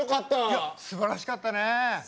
いやすばらしかったね！